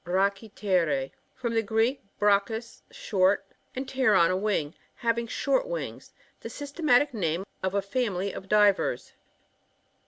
BaACHrpTER.£. — From the Greek, brachus^ short, and pteron^ a wing. Having short wings. The syste matic name of a family of divers.